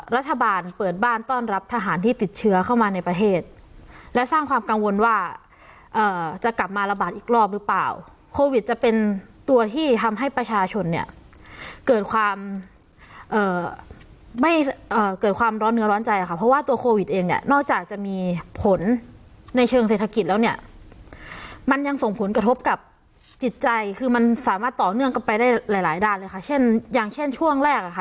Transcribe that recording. รัฐบาลเปิดบ้านต้อนรับทหารที่ติดเชื้อเข้ามาในประเทศและสร้างความกังวลว่าจะกลับมาระบาดอีกรอบหรือเปล่าโควิดจะเป็นตัวที่ทำให้ประชาชนเนี่ยเกิดความไม่เกิดความร้อนเนื้อร้อนใจค่ะเพราะว่าตัวโควิดเองเนี่ยนอกจากจะมีผลในเชิงเศรษฐกิจแล้วเนี่ยมันยังส่งผลกระทบกับจิตใจค